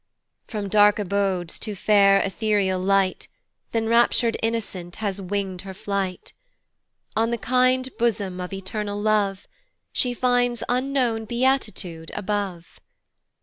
FROM dark abodes to fair etherial light Th' enraptur'd innocent has wing'd her flight; On the kind bosom of eternal love She finds unknown beatitude above.